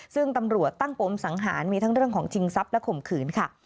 ซึ่งตำรวจตั้งปมสังหารมีทั้งเรื่องของชิงทรัพย์และข่มขืนค่ะ